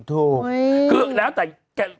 ถูกคือแล้วแต่แก